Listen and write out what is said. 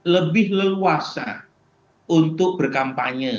lebih leluasa untuk berkampanye